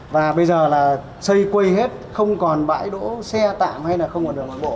và bây giờ là xây quây hết không còn bãi đỗ xe tạm hay là không còn đường nội bộ